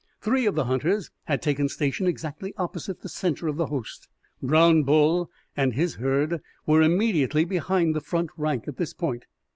Three of the hunters had taken station exactly opposite the center of the host. Brown Bull and his herd were immediately behind the front rank at this point.